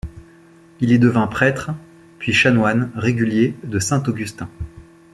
Il y devint prêtre puis chanoine régulier de Saint-Augustin.